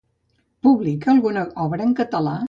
Publica alguna obra en català?